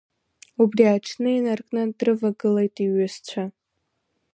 Убри аҽны инаркны дрывагылеит иҩызцәа.